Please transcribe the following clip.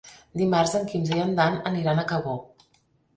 Dimarts en Quirze i en Dan aniran a Cabó.